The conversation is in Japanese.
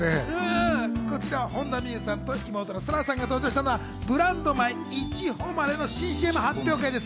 本田望結さんと妹の紗来さんが登場したのはブランド米・いちほまれの新ＣＭ発表会です。